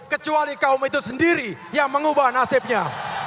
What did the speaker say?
kecuali kaum itu sendiri yang mengubah nasibnya